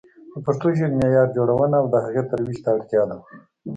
د پښتو ژبې معیار جوړونه او د هغې ترویج ته اړتیا ده.